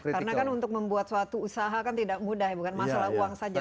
karena kan untuk membuat suatu usaha kan tidak mudah ya bukan masalah uang saja